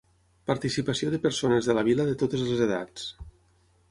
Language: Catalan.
Participació de persones de la vila de totes les edats.